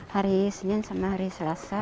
hari senin sama hari selasa